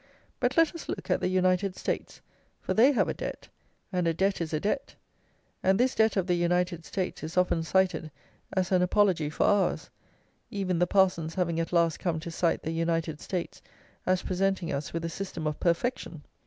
But let us look at the United States, for they have a debt, and a debt is a debt; and this debt of the United States is often cited as an apology for ours, even the parsons having at last come to cite the United States as presenting us with a system of perfection.